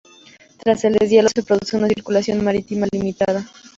Tras el deshielo, se produce una circulación marítima limitada.